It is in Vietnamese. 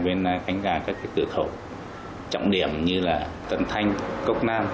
và những kết quả đạt được